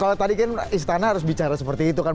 kalau tadi kan istana harus bicara seperti itu kan